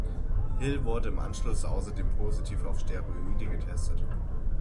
Hill wurde im Anschluss außerdem positiv auf Steroide getestet.